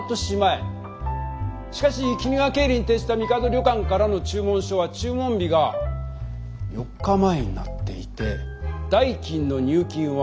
しかし君が経理に提出したみかど旅館からの注文書は注文日が４日前になっていて代金の入金は昨日だと。